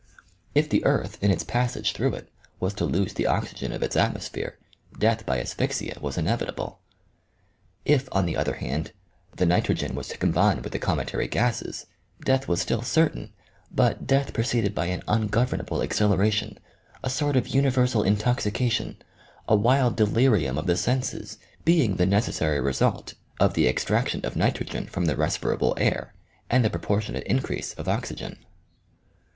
If the earth, in its passage through it, was to lose the oxygen of its atmosphere, death by asphyxia was in evitable ; if, on the other hand, the nitrogen was to com bine with the cometary gases, death was still certain ; but death preceded by an ungovernable exhilaration, a sort of universal intoxication, a wild delirium of the senses being the necessary result of the extraction of nitrogen from the respirable air and the proportionate increase of oxygen.